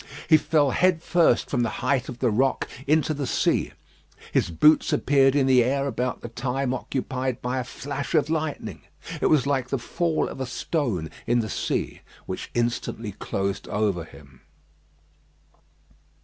He fell head first from the height of the rock into the sea. His boots appeared in the air about the time occupied by a flash of lightning. It was like the fall of a stone in the sea, which instantly closed over him.